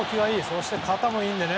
そして、肩もいいので。